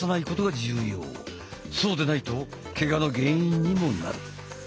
そうでないとケガの原因にもなる。